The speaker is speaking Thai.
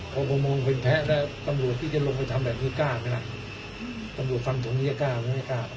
ตำรวจที่จะลงไปทำแบบนี้กล้าไปนั่ง